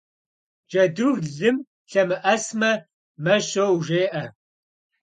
Джэдур лым лъэмыӀэсмэ «мэ щоу» жеӀэ.